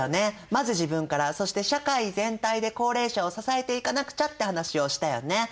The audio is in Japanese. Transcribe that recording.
まず自分からそして社会全体で高齢者を支えていかなくちゃって話をしたよね。